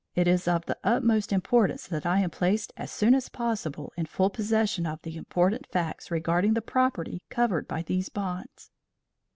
it is of the utmost importance that I am placed as soon as possible in full possession of the important facts regarding the property covered by these bonds.